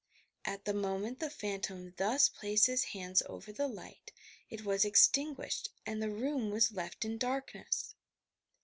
At the moment the phantom thus placed his hands over the light, it was extinguished and the room was left in darkness!